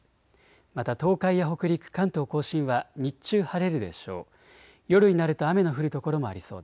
また東海や北陸、関東甲信は日中晴れるでしょう。